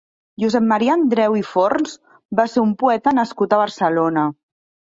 Josep Maria Andreu i Forns va ser un poeta nascut a Barcelona.